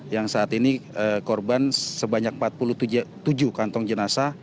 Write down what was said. yang saat ini korban sebanyak empat puluh tujuh kantong jenazah